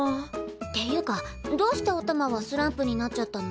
っていうかどうしておたまはスランプになっちゃったの？